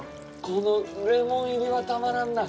このレモン入りはたまらんな。